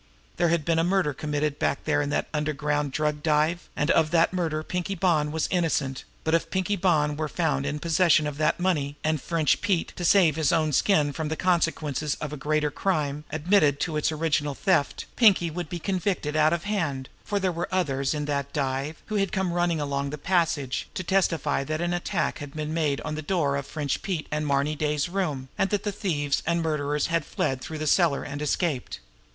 There had been murder committed back there in that underground drug dive, and of that murder Pinkie Bonn was innocent; but if Pinkie were found in possession of that money, and French Pete, to save his own skin from the consequences of a greater crime, admitted to its original theft, Pinkie would be convicted out of hand, for there were the others in that dive, who had come running along the passage, to testify that an attack had been made on the door of French Pete and Marny Day's room, and that the thieves and murderers had fled through the cellar and escaped.